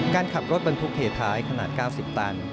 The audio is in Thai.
การขับรถเบินทุกเทศายขนาดเก้าสิบตัน